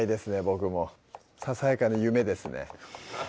僕もささやかな夢ですね